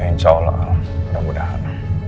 ya insya allah al mudah mudahan